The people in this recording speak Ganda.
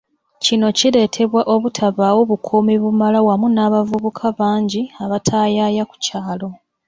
Kino kiletebwa obutabawo bukuumi bumala wamu n'abavubuka bangi abataayaaya ku kyalo.